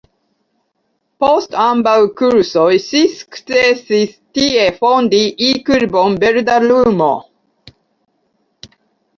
Post ambaŭ kursoj ŝi sukcesis tie fondi E-klubon "Verda lumo".